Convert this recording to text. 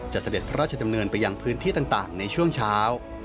เสด็จพระราชดำเนินไปยังพื้นที่ต่างในช่วงเช้า